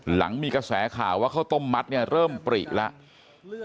หลังมีกระแสข่าวว่าข้าวต้มมัดเนี่ยเริ่มปริแล้ว